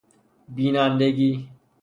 بینندگی